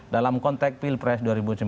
dalam konteks pilpres dua ribu sembilan belas